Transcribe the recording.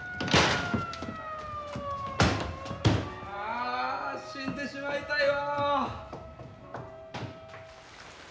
・ああ死んでしまいたいわ！